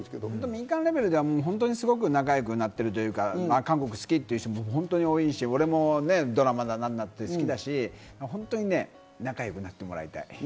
民間レベルでは仲良くなっているというか、韓国が好きな人も本当に多いし、俺もドラマだなんだって好きだし、本当に仲良くなってもらいたい。